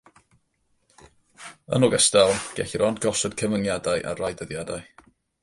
Yn ogystal, gellir ond gosod cyfyngiadau ar rai dyddiadau.